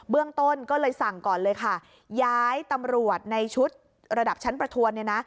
เรื่องต้นก็เลยสั่งก่อนเลยค่ะย้ายตำรวจในชุดระดับชั้นประทวนเนี่ยนะ